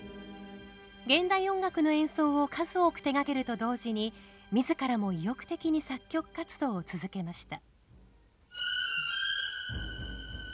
現代音楽の演奏を数多く手がけると同時に自らも意欲的に作曲活動を続けました。